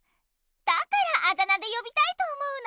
だからあだ名でよびたいと思うの。